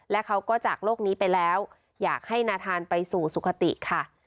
และเขาก็จากโลกนี้ไปแล้วอยากให้นาธานไปสู่สุขติค่ะ